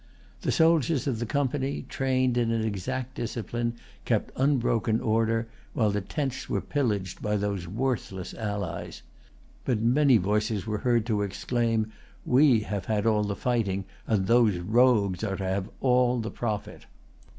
The soldiers of the Company, trained in an exact discipline, kept unbroken order, while the tents were pillaged by these worthless allies. But many voices were heard to exclaim, "We have had all the fighting, and those rogues are to have all the profit!"